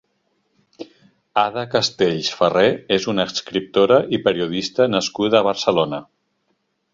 Ada Castells Ferrer és una escriptora i periodista nascuda a Barcelona.